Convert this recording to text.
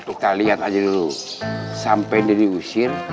kita lihat aja dulu sampai dia diusir